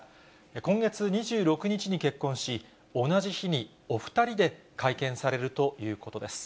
今月２６日に結婚し、同じ日にお２人で会見されるということです。